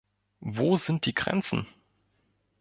Wo sind die Grenzen?